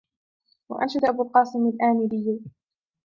وَأَنْشَدَ أَبُو الْقَاسِمِ الْآمِدِيُّ